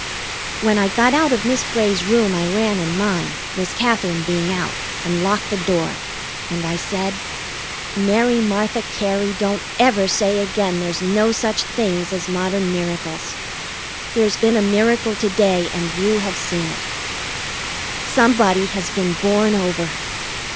When I got out of Miss Bray's room I ran in mine, Miss Katherine being out, and locked the door, and I said: "Mary Martha Cary, don't ever say again there's no such things as modern miracles. There's been a miracle to day, and you have seen it. Somebody has been born over."